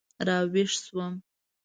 را ویښ شوم.